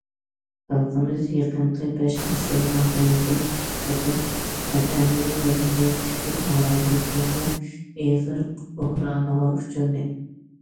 خەلقىمىز يېقىنقى بەش ئەسىر مابەينىدە ئىككى قېتىم ئەنئەنىۋى مەدەنىيەت تىپى ئالاھىدىلىكلىرىنىڭ ئېغىر بوھرانىغا ئۇچرىدى.